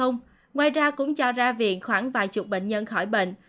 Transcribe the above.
ngoài ra cũng cho ra viện khoảng vài chục bệnh nhân khỏi bệnh